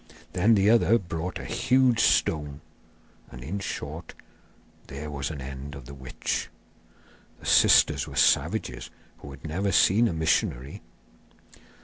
Then the other brought a huge stone, and, in short, there was an end of the witch. The sisters were savages who had never seen a missionary.